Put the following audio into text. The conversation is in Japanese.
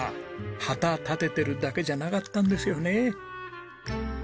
旗立ててるだけじゃなかったんですよね。